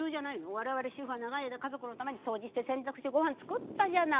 我々主婦は長い間家族のために掃除して洗濯してごはん作ったじゃない。